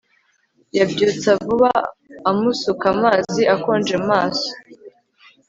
Yabyutse vuba amusuka amazi akonje mu maso